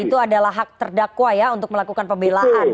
itu adalah hak terdakwa ya untuk melakukan pembelaan